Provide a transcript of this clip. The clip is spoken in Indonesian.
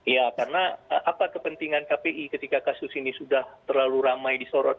ya karena apa kepentingan kpi ketika kasus ini sudah terlalu ramai disorot